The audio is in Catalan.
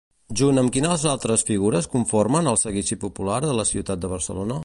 Junt amb quines altres figures conformen el Seguici Popular de la ciutat de Barcelona?